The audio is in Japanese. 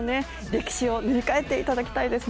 歴史を塗り替えていただきたいです。